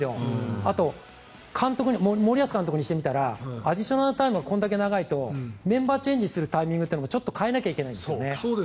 あと、森保監督にしてみたらアディショナルタイムがこんだけ長いとメンバーチェンジするタイミングを変えなきゃいけないんですよね。